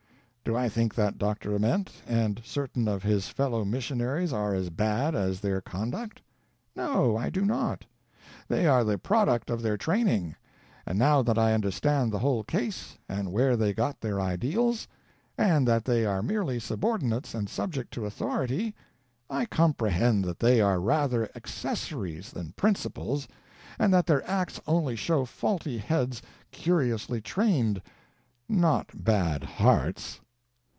Do I think that Dr. Ament and certain of his fellow mission aries are as bad as their conduct? No, I do not. They are the product of their training; and now that I understand the whole case, and where they got their ideals, and that they are merely subordinates and subject to authority, I comprehend that they are rather accessories than principals, and that their acts only show faulty heads curiously trained, not bad hearts.